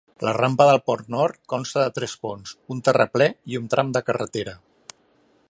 La rampa del pont nord consta de tres ponts, un terraplè i un tram de carretera.